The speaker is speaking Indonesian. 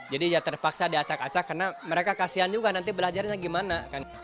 ya terpaksa diacak acak karena mereka kasian juga nanti belajarnya gimana